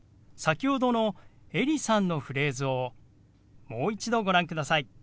先ほどのエリさんのフレーズをもう一度ご覧ください。